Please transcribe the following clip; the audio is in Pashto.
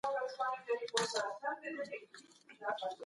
په کابل کي د تولید بهیر څنګه روان دی؟